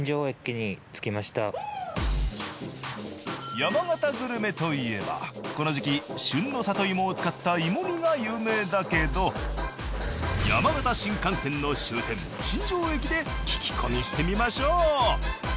山形グルメといえばこの時期旬の里芋を使った芋煮が有名だけど山形新幹線の終点新庄駅で聞き込みしてみましょう。